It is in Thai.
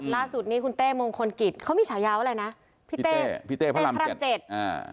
ล่าสุดนี้คุณเต้มงคลกิจเขามีฉายาว่าอะไรนะพี่เต้พี่เต้พระรามพระรามเจ็ดอ่า